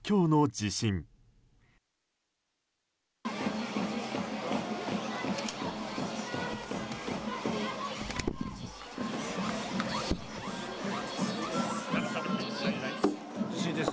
地震です。